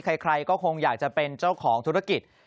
ใครก็คงอยากจะเป็นเจ้าของธุรกิจ